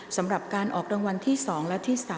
สำหรับการออกรางวัลที่๒และที่๓